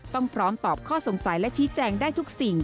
พร้อมตอบข้อสงสัยและชี้แจงได้ทุกสิ่ง